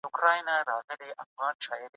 تخنیکي پوهه د ځان بسیاینې لاره ده.